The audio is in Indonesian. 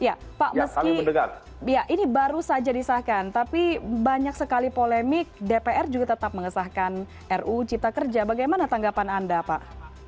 iya pak meski ini baru saja disahkan tapi banyak sekali polemik dpr juga tetap mengesahkan ru cipta kerja bagaimana tanggapan anda pak